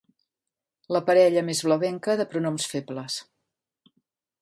La parella més blavenca de pronoms febles.